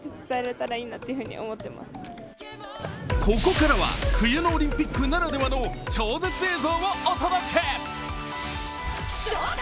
ここからは冬のオリンピックならではの超絶映像をお届け。